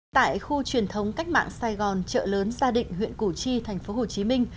tại khu truyền thống cách mạng sài gòn chợ lớn gia định huyện củ chi tp hcm